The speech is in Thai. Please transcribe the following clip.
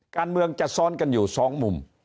การเมืองจะซ้อนกันอยู่สองมุม